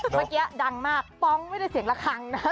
เมื่อกี้ดังมากป๊องไม่ได้เสียงระคังนะ